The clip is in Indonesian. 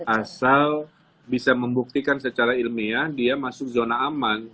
asal bisa membuktikan secara ilmiah dia masuk zona aman